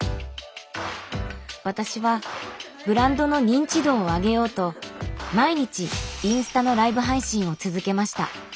私はブランドの認知度を上げようと毎日インスタのライブ配信を続けました。